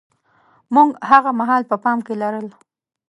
موږ هاغه مهال په پام کې لرل.